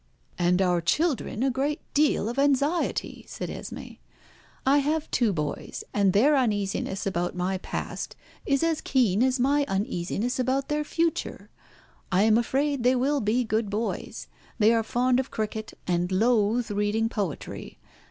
"And our children a great deal of anxiety," said Esmé. "I have two boys, and their uneasiness about my past is as keen as my uneasiness about their future. I am afraid they will be good boys. They are fond of cricket, and loathe reading poetry.